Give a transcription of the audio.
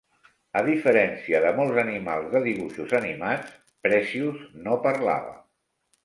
A diferència de molts animals de dibuixos animats, Precious no parlava.